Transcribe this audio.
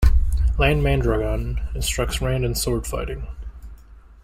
Lan Mandragoran instructs Rand in sword fighting.